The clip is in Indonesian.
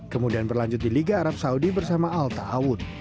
kemudian berlanjut di liga arab saudi bersama alta awud